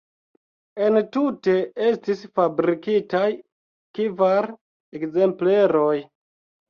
Entute estis fabrikitaj kvar ekzempleroj.